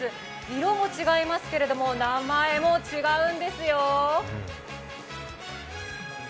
色も違いますけれども、名前も違うんですよ。